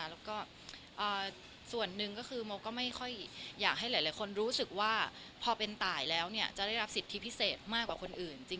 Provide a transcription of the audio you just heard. แล้วก็ส่วนหนึ่งก็คือโมก็ไม่ค่อยอยากให้หลายคนรู้สึกว่าพอเป็นตายแล้วจะได้รับสิทธิพิเศษมากกว่าคนอื่น